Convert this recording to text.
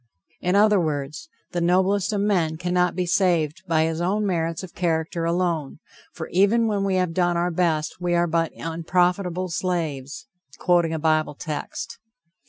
In other words, the noblest of men cannot be saved by his own merits of character alone, for even when we have done our best, we are but "unprofitable slaves," quoting a Bible text.